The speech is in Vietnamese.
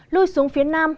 lưu xuống phía nam